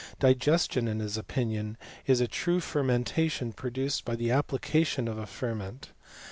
Digestion, in his opinion, is a true fer mentation produced by the application of a ferment.